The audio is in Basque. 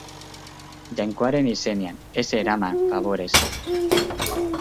Jainkoaren izenean, ez eraman, faborez.